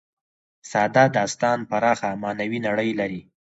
ساده داستان پراخه معنوي نړۍ لري.